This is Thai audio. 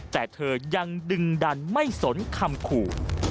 แต่เธอยังดึงดันไม่สนคำขู่